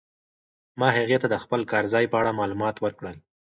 ما هغې ته د خپل کار ځای په اړه معلومات ورکړل.